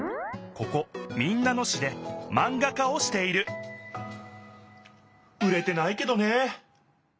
ここ民奈野市でマンガ家をしている売れてないけどね。